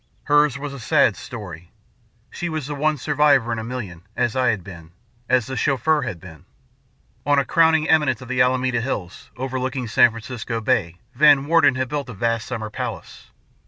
Hers was a sad story. She was the one survivor in a million, as I had been, as the Chauffeur had been. On a crowning eminence of the Alameda Hills, overlooking San Francisco Bay, Van Warden had built a vast summer palace.